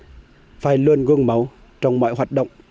và bản thân phải luôn gương máu trong mọi hoạt động